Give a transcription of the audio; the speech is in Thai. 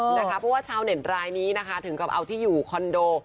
เพราะว่าชาวเน็ตรายนี้นะคะถึงกับเอาที่อยู่คอนโด